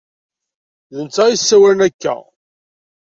D netta ay yessawalen akka.